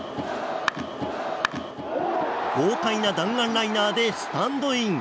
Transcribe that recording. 豪快な弾丸ライナーでスタンドイン。